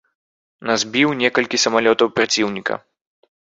На збіў некалькі самалётаў праціўніка.